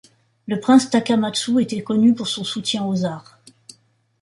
Le prince Takamatsu était connu pour son soutien aux arts.